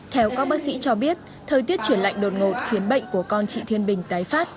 theo các bác sĩ cho biết thời tiết chuyển lạnh đột ngột khiến bệnh của con chị thiên bình tái phát